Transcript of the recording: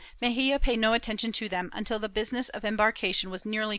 Mexia paid no attention to them, until the business of embarkation > Fonseca, pp.